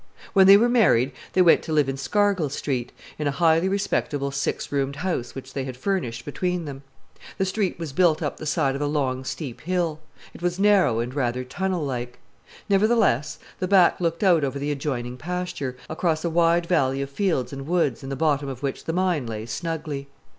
When they were married they went to live in Scargill Street, in a highly respectable six roomed house which they had furnished between them. The street was built up the side of a long, steep hill. It was narrow and rather tunnel like. Nevertheless, the back looked out over the adjoining pasture, across a wide valley of fields and woods, in the bottom of which the mine lay snugly.